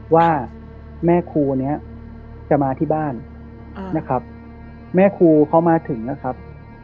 ว่าแม่ครูเนี่ยจะมาที่บ้านนะครับแม่ครูเขามาถึงนะครับ